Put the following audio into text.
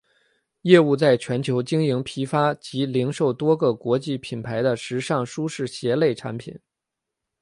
业务在全球经营批发及零售多个国际品牌的时尚舒适鞋类产品。